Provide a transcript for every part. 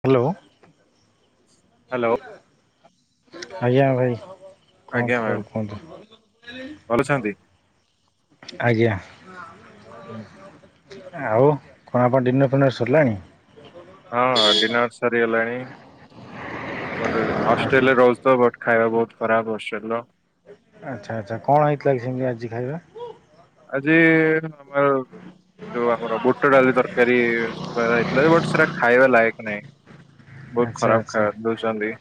Hello hello ଆଜ୍ଞା ଭାଇ। କଣ ଆଜ୍ଞା ମ୍ୟାମ୍ ଖବର ଭଲ କୁହନ୍ତୁ। ଅଛନ୍ତି? ଆଜ୍ଞା। ହୁଁ। ଆଉ କଣ ଆପଣ ଡିନର୍ ଫିନର୍ ସରିଲାଣି? ହଁ ଡିନର୍ ସରି ଗଲାଣି। ହଷ୍ଟେଲରେ ରହୁଚି ତ ବଟ ଖାଇବା ବହୁତ ଖରାପ ହଷ୍ଟେଲର ଆଚ୍ଛା ଆଚ୍ଛା କଣ ହେଇଥିଲା କି ସେମିତି ଆଜି ଖାଇବା। ଆଜି ଆମର ହ ହ [unintelligible] ଯୋଉ ଆମର ବୁଟ ଡାଲି ତରକାରୀ ହେଇଥିଲା ବଟ ସେଟା ଖାଇବା ଲାୟକ ନାହିଁ। ବହୁତ ଆଛା ଖରାପ ଖା ଆଚ୍ଛା ଦଉଛନ୍ତି।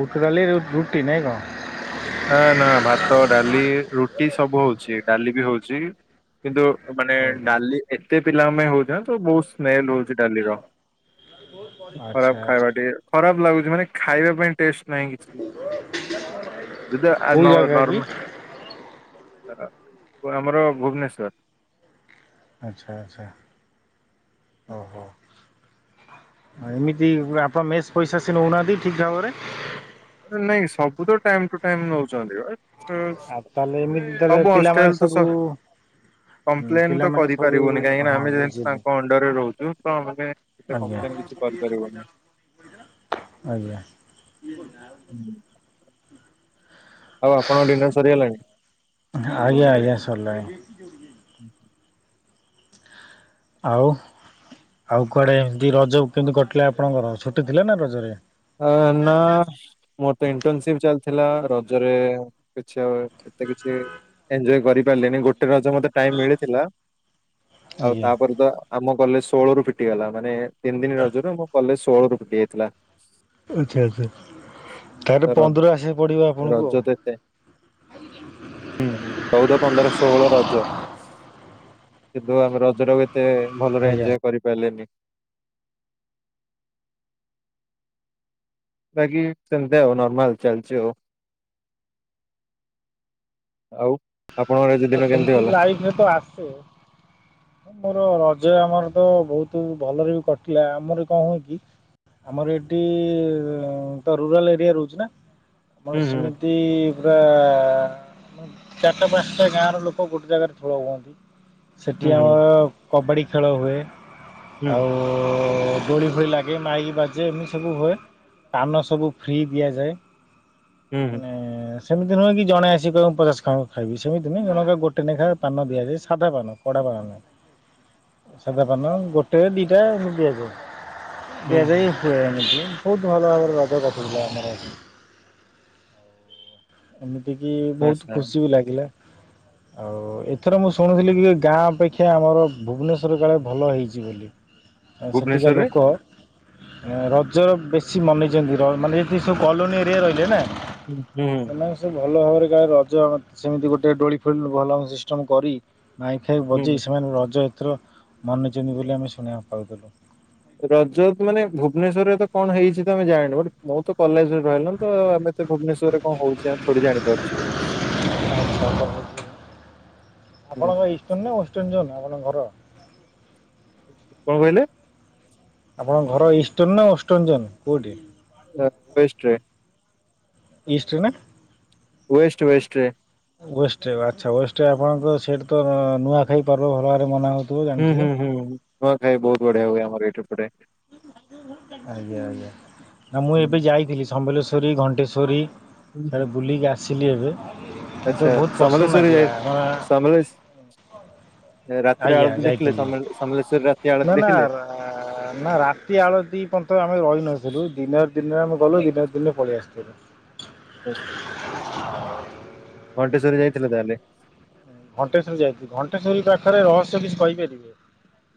ବୁଟଡାଲି ରୁ ରୁଟି ନାଇଁ କଣ? ନା ନା ଭାତ ଡାଲି ରୁଟି ସବୁ ହଉଛି ଡାଲି ବି ହଉଛି କିନ୍ତୁ ମାନେ ଡାଲି ଏତେ ପିଲାଙ୍କ ହଉଛିନା ତ ବହୁତ ସ୍ମେଲ ହଉଛି ଡାଲିର। ଆଚ୍ଛା ଖରାପ ଆଚ୍ଛା ଖାଇବା ଟିକେ ଖରାପ ଲାଗୁଛି ମାନେ ଖାଇବା ପାଇଁ ଟେଷ୍ଟ ନାହିଁ କିଛି। ଯୁଦା ଆଜ୍ କୋଉ ନ ଜାଗା କି ନର୍ମେ ଆମର ଭୁବନେଶ୍ୱର। ଆଚ୍ଛା ଆଚ୍ଛା ଓ ହୋ। ଏମିତି ଆପଣ ମେସ୍ ପଇସା ସେ ନଉନାହାନ୍ତି ଠିକ ଭାବରେ। ନାଇଁ ସବୁ ତ ଟାଇମ ଟୁ ଟାଇମ ନଉଛନ୍ତି। ଆଉ ତାହେଲେ ଏମିତି ତାହେଲେ ପିଲାମାନେ ହଁ। ସବୁ କମ୍ପ୍ଲେନ ତ ପିଲାମାନେ ସବୁ କରିପାରିବୁନି। ହଁ କିଛି ବୁଝିଲି ଆଜ୍ଞା କରିପାରିବନି ଆଜ୍ଞା। ହୁଁ। ଆଉ ଆପଣଙ୍କ ଡିନର ସରିଗଲାଣି? ଆଜ୍ଞା। ହୁଁ। ଆଉ। ନା ମୋର ତ ଇଣ୍ଟର କିଛି ଆ ଏତେ କିଛି ଏଞ୍ଜୟ୍ ଗୋଟେ ରଜ ଆଜ୍ଞା। କଲେଜ ଷୋଳ ରୁ ଫିିଟିଗଲା ମାନେ ତିନି ଦିନ ରଜରୁ ମୁଁ କଲେଜ ଷୋଳରୁ ଫିଟି ଯାଇଥିଲା। ଆଚ୍ଛା ଆଚ୍ଛା। ତାହେଲେ ତ ରଜ ପନ୍ଦର ଆସିବାକୁ ପଡିବ ଆପଣଙ୍କୁ ରଜ ତ ଏତେ ଆଉ। ହୁଁ ହୁଁ ଚଉଦ ପନ୍ଦର ଷୋହଳ ରଜ। କିନ୍ତୁ ଆମେ ରଜଟକୁ ଏତେ ଭଲରେ ଆଜ୍ଞା ଏଞ୍ଜୟ୍ କରିପାରିଲନି। ବାକି ସେମିତି ଆଉ ନର୍ମାଲ ଚାଲଛି ଆଉ। ଆଉ ଆପଣଙ୍କର ଆଜି ଆଉ ଦିନ ସେମିତି କେମିତି ଗଲା? ଲାଇଫରେ ତ ଆସେ। ମୋର ରଜ ଆମର ତ ବହୁତ ଭଲରେ ବି କଟିଲା ଆମର କଣ ହୁଏ କି ଆମର ଏଠି ତ ରୁରାଲ ଏରିଆ ରହୁଛି ନା ହୁଁ ଆମର ହୁଁ ସେମିତି ପୁରା ଚାରିଟା ପାଞ୍ଚଟା ଗାଁ ର ଲୋକ ଗୋଟେ ଜାଗାରେ ଠୁଳ ହୁଅନ୍ତି। ଏଠି ହୁଁ ଆମର କବାଡ଼ି ଖେଳ ହୁଏ, ହୁଁ ଆଉ ଦୋଳି ଫୋଳି ଲାଗେ ମାଇକି ବାଜେ ଏମିତି ସବୁ ହୁଏ ପାନ ସବୁ ଫ୍ରି ଦିଆ ଯାଏ। ହୁଁ ଉ ହୁଁ ସେମିତି ନୁହେଁ କି ଜଣେ ଆସ କହିବ ମୁ ପଚାଶ ଖା ଖାଇବି ସେମିତି ନୁହେଁ ଜଣକା ଗୋଟେ ଲେଖା ପାନ ଦିଆଯାଏ ସାଧା ପାନ। କଡାପାନ ନୁହେଁ ସାଧାପାନ ଗୋଟେ ଦିଟା ଏମିତି ଦିଆଯାଏ। ହୁଁ ହୁଁ ହୁଁ [unintelligible] ବହୁତ ଭଲ ଭାବରେ ରଜ କଟୁଥିଲା ଆମର ଏଠି। ଏତିକି ବହୁତ ଆଚ୍ଛା ଖୁସି ବି ଲାଗିଲା ଆଉ ଏଥର ମୁଁ ଶୁଣୁଥିଲି କି? ଗାଁ ଅପେକ୍ଷା ଆମର ଭୁବନେଶ୍ୱର କାଳେ ଭଲ ହେଇଛି ବୋଲି। ସେଠିକା ଭୁବନେଶ୍ୱରରେ? ଲୋକ ରଜର ବେଶୀ ମନେଇଛନ୍ତି ମାନେ ଯିଏ ସବୁ କଲୋନୀ ରେ ରହିଲେ ନା ହୁଁ ହୁଁ ସେମାନେ ସବୁ ଭଲ ଭାବରେ ରଜ ସେମିତି ଗୋଟେ ଦୋଳି ଫୋଳି ଭଲ ସିଷ୍ଟମ କରି ମାଇକି ଫାଇକି ହୁଁ। ବଜେଇ ସେମାନେ ରଜ ଏଥର ମନେଇଛନ୍ତି ବୋଲି ଆମେ ଶୁଣିବାକୁ ପାଉଛୁ। ରଜ ତ ମାନେ ଭୁବନେଶ୍ୱରରେ ତ କଣ ହେଇଛି ତମେ ଜାଣିନ ମୁଁ ତ କଲେଜରେ ରହିଲ ତ ଆମେ ତ ଭୁବନେଶ୍ଵରରେ କଣ ହଉଛି ଆମେ ଥୋଡି଼ ଜାଣିପାରୁଛୁ? ହୁଁ ଆପଣଙ୍କର ଇଷ୍ଟର୍ଣ୍ଣ ନା ୱେଷ୍ଟର୍ଣ୍ଣ ଜୋନ୍ ଆପଣଙ୍କ ଘର? କଣ କହିଲେ? ଆପଣଙ୍କ ଘର ଇଷ୍ଟର୍ଣ୍ଣ ନା ୱେଷ୍ଟର୍ଣ୍ଣ ଜୋନ୍ ରେ କୋଉଠି? ୱେଷ୍ଟରେ। ଇଷ୍ଟ ରେ ନା? ୱେଷ୍ଟ ୱେଷ୍ଟ ରେ। ୱେଷ୍ଟ ଆଚ୍ଛା ୱେଷ୍ଟ ଆପଣଙ୍କର ସେଇଠି ତ ନୂଆଖାଇ ପର୍ବ ଭଲ ଭାବରେ ରେ ମନା ହଉଛି? ହୁଁ ହୁଁ ହୁଁ ନୂଆଖାଇ ବହୁତ ବଢିଆ ହୁଏ ଆମର ଏଇଠି ଏପଟେ। ଆଜ୍ଞା ଆଜ୍ଞା ନା ମୁଁ ହୁଁ ଏବେ ଯାଇଥିଲି ସମ୍ବଲେଶ୍ଵରୀ, ଘଣ୍ଟେଶ୍ଵରୀ ସିଆଡେ଼ ବୁଲିକି ଆସିଲି ଏବେ ମୋତେ ଆଚ୍ଛା ବହୁତ ପସନ୍ଦ ସମଲେଶ୍ଵରୀ ଲାଗିଲା ଯାଇ ଆମର ସମ୍ବଲଶ୍ଵ ରାତିରେ ଆଜ୍ଞା ଆଳତି ଦେଖିଲେ ଯାଇଥିଲି ସମଲେଶ୍ଵରୀ ରେ ରାତି ନା ଆଳତି ନା ଦେଖିଲେ? ନା ରାତି ଆଳତୀ ପର୍ଯ୍ୟନ୍ତ ଆମେ ରହିନଥିଲୁ ଦିନ ଦିନରେ ଆମେ ଗଲୁ ଦିନରେ ଦିନରେ ପଳେଇ ଆସଥିଲୁ। ସେ [inaudible] ଘଣ୍ଟେଶ୍ଵରୀ ଯାଇଥିଲ ତାହେଲେ? ଘଣ୍ଟେଶ୍ୱରୀ ଯାଇଛି ଘଣ୍ଟେଶ୍ୱରୀ ପାଖରେ ରହସ୍ୟ ବି କହିପାରିବେ?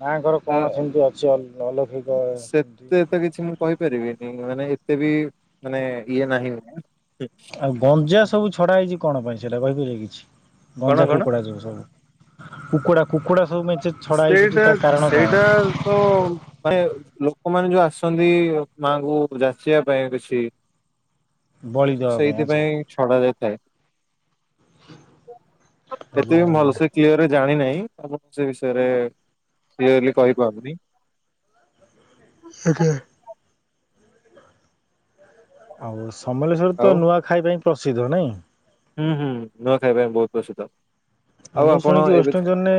ମାଆଙ୍କର ଅ କଣ ସେମିତି ଅଛି ଅଲୌକିକ ସେତେ ତ କିଛି ମୁଁ ସେମିତି କହିପାରିବିନି ମାନେ ଏତେ ବି ମାନେ ଇଏ ନାହିଁ ଆଉ ଗଞ୍ଜା ହୁଁ. ସବୁ ଛଡା ହେଇଛି କଣ ପାଇଁ ସେଇଟା କହିପାରିବେ କିଛି କଣ ଗଞ୍ଜା, କଣ କୁକୁଡା ଯଉ ସବୁ? କୁକୁଡ଼ା କୁକୁଡ଼ା ସବୁ ମେଞ୍ଚେ ଛଡ଼ା ହେଇଛି ସେଠି ସେଇଟା ତା କାରଣ କ'ଣ ସେଇଟା ତ ଲୋକମାନେ ଯୋଉ ଆସନ୍ତି ମାଆ ଙ୍କୁ ଯାଚିବା ପାଇଁ କିଛି ବଳି ଦେବା ପାଇଁ ଆଚ୍ଛା ସେଇଥିପାଇଁ ଛଡା ଯାଏ। ଆଜ୍ଞା ସେଥିପାଇଁ ଆଜ୍ଞା ଭଲସେ କ୍ଲିୟର ରେ ଜାଣି ନାହିଁ ଆପଣ ସେ ସେ ବିଷୟରେ କ୍ଲିୟରଲି କହିପାରୁନି। ଆଜ୍ଞା। ଆଉ ସମଲେଶ୍ଵର ତ ଆଉ ନୂଆ ଖାଇବା ପାଇଁ ପ୍ରସିଦ୍ଧ ନାଇଁ? ହୁଁ ହୁଁ ନୂଆ ଖାଇବା ପାଇଁ ବହୁତ ପ୍ରସିଦ୍ଧ। ହଁ ଆଉ ମୁଁ ଆପଣ ଶୁଣିଛି ଏବେ ୱେଷ୍ଟଇଣ୍ଡିଜନରେ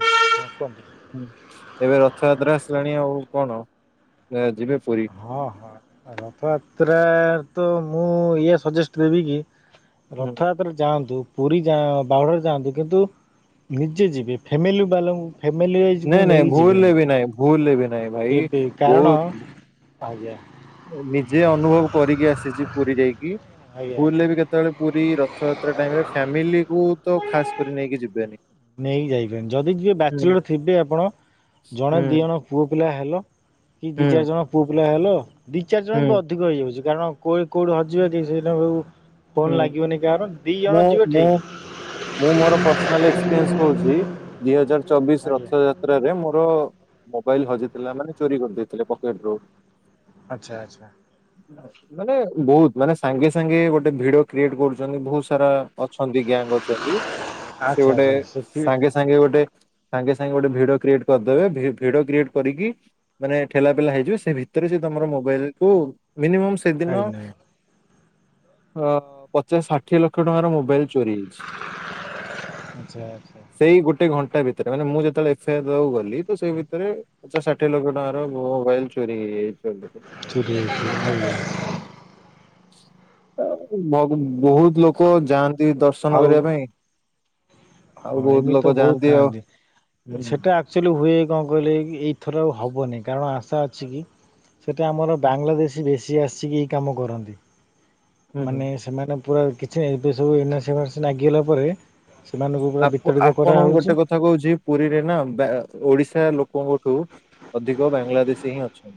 ହଁ କୁହନ୍ତୁ। ଏବେ ରଥଯାତ୍ରା ଆ ଆଉ କଣ ଯିବେ? ପୁରୀ ହଁ ହଁ ରଥଯାତ୍ରା ତ ମୁଁ ଇଏ ସଜେଷ୍ଟ ଦେବି କି ହୁଁ ରଥଯାତ୍ରାରେ ଯାଆନ୍ତୁ। ପୁରୀ ଯା ବାଉଡ଼ାରେ ଯାଆନ୍ତୁ କିନ୍ତୁ ନିଜେ ଯିବେ ଫ୍ୟାମିଲି ବାଲାଙ୍କୁ ଫ୍ୟାମିଲି ୱାଇଜ୍କୁ ନାଇଁ ନାଇଁ ନେଇକି ଭୁଲରେ ଯିବେନି। ବି ନାଇଁ ଭୁଲରେ ବି ନାଇଁ ଭାଇ ସେ ବି କାରଣ ବହୁତ ଆଜ୍ଞା ନିଜେ ଅନୁଭବ କରିକି ଆସିଛି ପୁରୀ ଯାଇକି ଆଜ୍ଞା। ଭୁଲରେ ବି କେତେବେଳେ ପୁରୀ ରଥଯାତ୍ରା ଟାଇମ ରେ ଫ୍ୟାମିଲି କୁ ତ ଖାସ କରି ନେଇକି ଯିବେନି। ନେଇକି ଯାଇପାରିବି ଯଦି ଯିବେ ହୁଁ ବ୍ୟାଚଲର ଥିବେ ଆପଣ ଜଣେ ଦି ହୁଁ ଜଣ ପୁଅ ପିଲା ହେଲ କି ଦି ହୁଁ ଚାରି ଜଣ ପୁଅ ପିଲା ହେଲ ଦି ଚାରି ଜଣ ବି ହୁଁ ଅଧିକ ହେଇଯାଉଛି। କାରଣ କେଉଠି କେଉଁଠି ହଜିବା କି ସେଦିନକୁ କଣ ହୁଁ ଲାଗିବନି କାହାର ଦି ଜଣ ମୁଁ ଯିବେ ମୁଁ ଠିକ। ମୁଁ ମୋର [unintelligible] ଦି ହଜାର ଆଜ୍ଞା। ରଥଯାତ୍ରରେ ମୋର ମୋବାଇଲ ହଜିଥିଲା ମାନେ ଚୋରି କରିଦେଇଥିଲେ ପକେଟ ରୁ ଆଚ୍ଛା ଆଚ୍ଛା ମାନେ ବହୁତ ମାନେ ସାଙ୍ଗେ ସାଙ୍ଗେ ଗୋଟେ ଗୋଟେ ଭିଡିଓ କ୍ରିଏଟ କରୁଛନ୍ତି ବହୁତ ସାରା ଅଛନ୍ତି ଗ୍ୟାଙ୍ଗ ଅଛନ୍ତି। ସେ ଆଚ୍ଛା ଗୋଟେ ଆଚ୍ଛା ସେଠି ସାଙ୍ଗେ ସାଙ୍ଗେ ଗୋଟେ ସାଙ୍ଗେ ସାଙ୍ଗେ ଗୋଟେ ଭିଡ କ୍ରିଏଟ କରିଦେବେ ଭିଡି କ୍ରିଏଟ କରିକି ମାନେ ଠେଲା ପା ହେଇଯିବ ସେ ଭିତରେ ସେ ତମର ମୋବାଇଲ କୁ ମିନିମ ସେଦିନ କାଢ଼ିନେବେ ପଚାଶ ଷାଠିଏ ଲକ୍ଷ ଟଙ୍କାର ମୋବାଇଲ ଚୋରି ହେଇଚି। ଆଚ୍ଛା ଆଚ୍ଛା ସେଇ ଗୋଟେ ଘଣ୍ଟା ଭିତରେ। ିତରେ ମାନେ ମୁଁ ଯେତେବେଳେ ଏଫଆଇ ଆର ଦଉ ଗଲି ତ ସେ ଭିତରେଚ ଷାଠି ଲକ୍ଷ ଟଙ୍କ ର ମୋବାଇଲ ଚୋରି ହେଇଯାଇଛି। ଅଲରେଡି। ହୁଁ। [unintelligible] ବହୁତ ଲୋକ ଯାଆନ୍ତି ଦର୍ଶନ ଆଉ କରିବା ପାଇଁ। ଆଉ ହଁ ବହୁତ ଏମିତି ତ ଲୋକ ବହୁତ ଯାଆନ୍ତି ଆଉ ଥାନ୍ତି। ହୁଁ ସେଟା ଆକ୍ଚୁଆଲି ହୁଏ କଣ କହିଲେ ଏଇଥର ଆଉ ହବନି କାରଣ ଭା ଅଛି କି ସେଟା ଆମର ବାଂଲାଦେଶୀ ବେଶୀ ଆସିକି ଏ କାମ କରନ୍ତି। ହୁଁ ହୁଁ। ମାନେ ସେମାନେ ପୁରା କିଛି ଏବେ ସବୁ ଲାଗିଗଲା ପରେ ସେମାନଙ୍କୁ ପୁରା ବିତାଡ଼ିତ ଆପଣ କରାହେଉଛି ଗୋଟେ କଥା କହୁଛି ପୁରୀରେ ନା ଓଡିଶା ା ଲୋକଙ୍କଠୁ ଅଧିକ ବାଂଲାଦେଶୀ ହିଁ ଅଛନ୍ତି।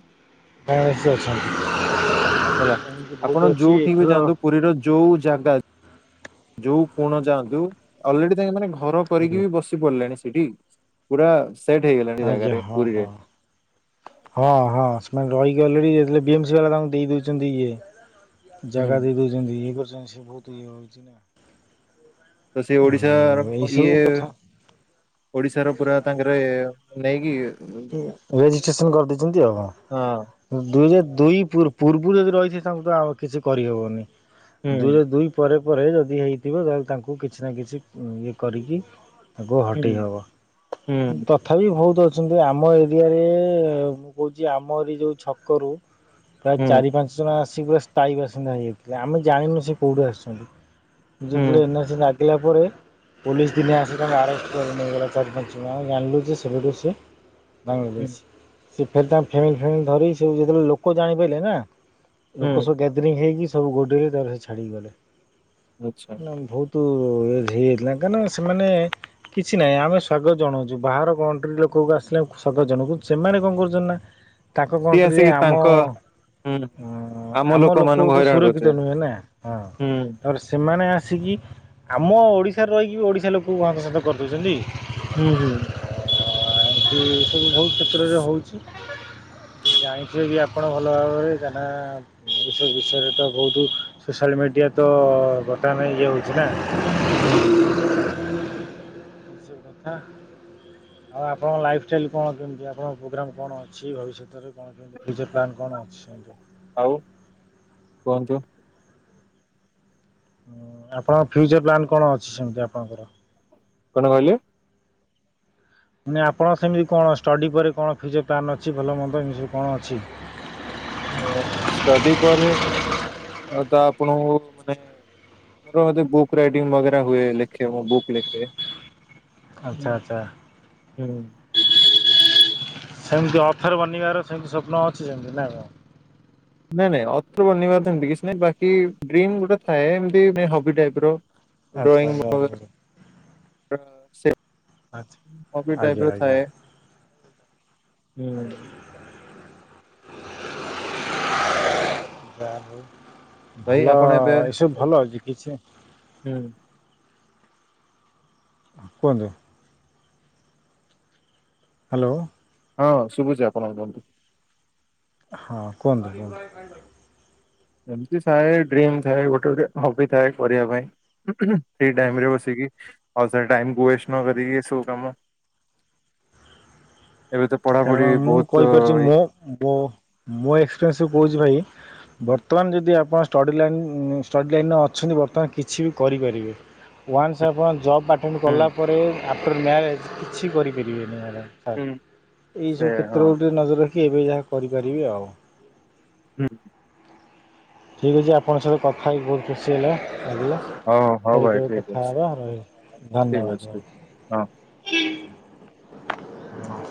ଭସି ଅଛନ୍ତି। ହେଲା ଏମିତି ବହୁତ ଆପଣ ଅଛି ଯୋଉଠି ବି ଏଥର ଯାଆନ୍ତୁ ପୁରୀର ଯୋଉ ଜାଗା ଯୋଉ କୁଣ ଯାଆନ୍ତୁ ଅଲରେଡି ତାଙ୍କେ ମାନେ ଘର କରିକି ଆଜ୍ଞା ବି ବସି ପଡିଲେଣି ସେଠି ପୁରା ସେଟ୍ ଆଜ୍ଞା ହେଇଗଲାଣି ହଁ ହଁ। ପୁରୀରେ ହଁ ହଁ ସେମାନେ ରହିକି ଆଲେଡି ବିଏମସି ଦୋଉଚନ୍ତି ଇଏ। ହୁଁ। ଜାଗା ଦେଇ ଦଉଛନ୍ତି ଇଏ କରିଦେଉଛନ୍ତି [unintelligible] ତ ସେ ଓଡିଶାାର ଇଏ କଥା ଓଡିଶାରେ ପୁରା ତାଙ୍କେରେ ମାନେ ଏଇ ରେଜିଷ୍ଟ୍ରେସନ କରିଦେଇଛନ୍ତି ଆଉ ହଁ [unintelligible] ଦୁଇ ପୂର୍ବରୁ ଯଦି ରହିଚି ତାଙ୍କୁ ତ ଆ କିଛି କରିହେବନି ହୁଁ ଦୁଇରେ ଦୁଇ ପରେ ପରେ ଯଦି ହେଇଥିବ ତାହେଲେ ତାଙ୍କୁ କିଛି ନା କିଛି ଇଏ କରିକି ତାକୁ ହୁଁ ହଟେଇ ହବ ହୁଁ ତଥାପି ବହୁତ ଅ ଆଛନ୍ତି ଆମ ଏରିଆରେ ମୁଁ କହୁଛି ଆମ ଏରି ଯଉ ଛକରୁ ପ୍ରାୟ ହୁଁ ଚାରି ପାଞ୍ଚ ଜଣ ଆସିକି ପୁରା ସ୍ଥାୟୀ ବାସିନ୍ଦ ହେଇଯାଇଥିଲେ ଆମେ ଜାଣିନୁ ସେ କୋଉଠି ଆସିଛନ୍ତି। ଯେତଥିଲେ ଏନ ଗିଲା ପରେ ପୋଲିସ ଦିନେ ଆସି ତାଙ୍କୁେ ଆରେଷ୍ଟ କରିନିଗଲା ଚାରି ପାଞ୍ଚେ ଜାଣିଲୁ ଯେ ସେବେଠୁ ସେ ହୁଁ ବାଂଲାଦେଶ ସ ଫ ଫ୍ୟାମିଲି ଫୋମିଲ ଧରି ସୁ ଯେତେବେଳେ ଲୋକ ଜାଣିପାରିଲେ ନା ଲୋକ ହୁଁ ସବୁ ଗ୍ୟାଦରିଂ ହେଇକି ସବୁ ଗୋଡରେ ତାର ସେ ଛାଡି ଗଲେ। ଆଚ୍ଛା। ନା ବହୁତ ଯାଇଥିଲା କାଁନା ସେମାନେ କିଛି ନାହିଁ ଆମେ ସ୍ଵାଗତ ଜଣାଉଚୁ, ବାହାର କଣ୍ଟ୍ରି ଲୋକକୁ ଆ ଆସିଲା ସଦର ଜଣଙ୍କୁ ସେମାନେ କଣ କରୁଛନ୍ତି ନା ତାଙ୍କ ସିଏ କଣ୍ଟ୍ରିରେ ଆସିକି ଆମ ତାଙ୍କ ହଁ ହୁଁ ଆମ ଲୋକକୁ ଲୋକମାନଙ୍କୁ ତ ହଇରାଣ ସୁରକ୍ଷିତ କରୁଚେ। ନୁହେଁ ନା ହଁ ହୁଁ ତାପରେ ସେମାନେ ଆ ସି କିି ଆମ ଓଡିଶା ରେ ରହିକି ବି ଓଡିଶା ଲୋକଙ୍କୁ ବନ୍ଦ ବନ୍ଦ କରି ଦଉଚନ୍ତି। ହୁଁ ହୁଁ। ସବୁ ବହୁତ କ୍ଷେତ୍ରରେ ହେଉଛି। ଜାଣିଥିବେ ବି ଆପଣ ଭଲ ଭାବରେ କାଇଁ ନା ଏ ସବୁ ବିଷୟରେ ତ ବହୁତ ସୋସା ମିଡ଼ିଆ ତ ବର୍ତ୍ତମାନେ ଇଏ ହେଉଛି ନା। ହୁଁ। ଏସ କଥା [unintelligible] ଆଉ ଆପଣଙ୍କ ଲାଇଫଷ୍ଟାଇଲ କଣ କେମିତି, ଆପଣଙ୍କ ପ୍ରୋଗ୍ରାମ କଣ ଅଛି ଭବିଷ୍ୟତରେ ଫଚର ପ୍ଲନ୍ କଣ ଅଛି? ସେମିତି ଆଉ କୁହନ୍ତୁ ହଁ ଆପଣଙ୍କ ଫ୍ୟୁଚର ପ୍ଲାନ୍ କଣ ଅଛି, ସେମିତି ଆପଣଙ୍କର? କଣ କହିଲ? ମାନେ ଆପଣ ସେମିତି କଣ ଷ୍ଟଡି ପରେ କଣ ଫଚର ପ୍ଲାନ ଅଛି, ଭଲ ମନ୍ଦ ଏମିତି କଣ ଅଛି। ହ [unintelligible] ଷ୍ଟଡି ପରେ ଆ ତ ଆପଣଙ୍କୁ ମାନେ ମୋର ଯୋଉ ବୁକ୍ ରାଇଡିଙ୍ଗ ବଗେରା ହୁଏ, ଲେଖେ ମୁଁ ବୁକ୍ ଲେଖେ। ଆଛା, ଆଛା। ହୁଁ। ସେମିତି ଅଫର ବନିବାର ସେମତି ସ୍ୱପ୍ନ ଅଛି ସେମିତି ନା କ ନାଇଁ ନାଇଁ ଅତର ବନିବାରମତି କିଛି ନାଇଁ, ବାକି ଡ୍ରିମ ଗୋଟେ ଥାଏ ଏମତି ହବି ଟାଇପ ର ଆଛା ଆଛା ହୋଉ। ସେ କପି ଆଜ୍ଞା ଡ୍ରାଇଭର ଆଜ୍ଞା ଥାଏ। ହୁଁ। ଯାହା ହଉ। [unintelligible] ଭାଇ ଭଲ ଆପଣ ଏବେ ଏସବୁ ଭଲ ହେଇଚି। କିଛି ହୁଁ କୁହନ୍ତୁ? ହାଲୋ ହଁ ଶୁଭୁଛି, ଆପଣ କୁହନ୍ତୁ? ହଁ କୁହନ୍ତୁ କୁହନ୍ତୁ। ଏମତି ଥାଏ, ଡ୍ରିମ ଥାଏ ଗୋଟେ, ଗୋଟେ ହବି ଥାଏ, କରିବା ପାଇଁ ସେଇ ଟାଇମରେ ବସିକି, ଆଉ ସେଇ ଟାଇମକୁ ୱେଷ୍ଟ ନ କରିକି ଏସବୁ କାମ [unintelligible] ଏବେ ତ ପଢାପଢି କାରଣ ମୁଁ ବହୁତ କହିପାରୁଛି ମୋ ମୋ ମୋ ଏକ୍ସପିରିଏନ୍ସରୁୁ କହୁଛି ଭାଇ ହୁଁ ବର୍ତ୍ତମାନ ଯଦି ଆପଣ ଷ୍ଟଡ଼ି ଲାଇନ୍, ଷ୍ଟଡ଼ି ଲାଇନ୍ର ଅଛନ୍ତି ବର୍ତ୍ତମାନ କିଛି ବି କରିପାରିବେ, ୱାନ୍ସ ଆପଣ ଜବ୍ ଆଟେଣ୍ଡ କଲା ପରେ ଆଫ୍ଟର୍ ମ୍ୟାରେଜ୍ କିଛି କରିପାରିବେନି ମ୍ୟାଡ଼ାମ୍ ସାର୍ ହୁଁ। ସେ ଏଇସବୁ ହଁ କ୍ଷେତ୍ର ଗୋଟେ ନଜର ରଖି ଏବେ ଯାହା କରିପାରିବେ ଆଉ ହୁଁ। ଠିକ ଅଛି ଆପଣଙ୍କ ସହିତ କଥା ହେଇକି ବହୁତ ଖୁସି ହେଲା। ଆ ହଉ ହଉ ଫେର ଭାଇ କେବେ ଠିକ ଅଛି। କଥା ହବ ରହଲି, ଠିକ୍ ଧନ୍ୟବାଦ। ଅଛି। ହଁ।